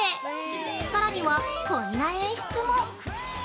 さらには、こんな演出も